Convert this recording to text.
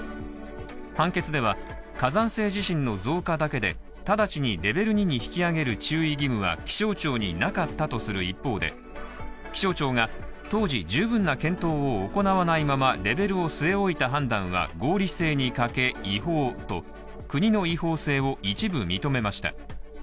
判決では、火山性地震の増加だけで直ちにレベル２に引き上げる注意義務は気象庁になかったとする一方で、気象庁が当時、十分な検討を行わないままレベルを据え置いた判断は合理性に欠け、違法と、国の違法性を一部認めました。